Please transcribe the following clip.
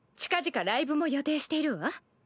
近々ライブも予定しているわ。